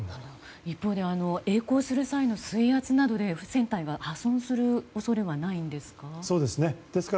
一方で曳航する際の水圧などで船体は破損する恐れはないんですか？